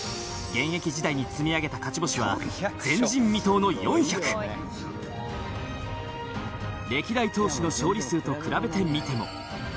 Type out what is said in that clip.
現役時代に積み上げた勝ち星は歴代投手の勝利数と比べてみても。